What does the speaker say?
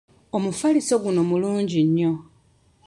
Omufaliso guno mulungi nnyo.